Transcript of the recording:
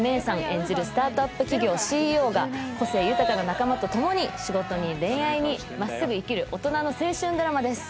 演じるスタートアップ企業ＣＥＯが個性豊かな仲間とともに仕事に恋愛にまっすぐ生きる大人の青春ドラマです